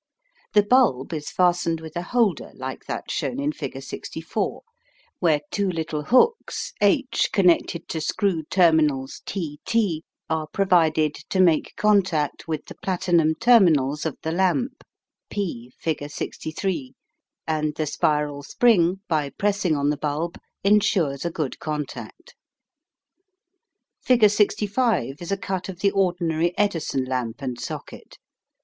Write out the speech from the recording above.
The bulb is fastened with a holder like that shown in figure 64, where two little hooks H connected to screw terminals T T are provided to make contact with the platinum terminals of the lamp (P, figure 63), and the spiral spring, by pressing on the bulb, ensures a good contact. Fig. 65 is a cut of the ordinary Edison lamp and socket.